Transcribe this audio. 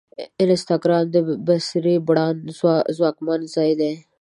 انسټاګرام د بصري برانډ ځواکمن ځای دی.